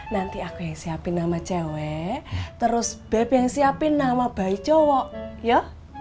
nanti aku yang siapin nama cewek terus bep yang siapin nama baik cowok ya